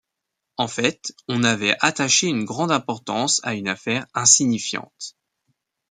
En fait, on avait attaché une grande importance à une affaire insignifiante.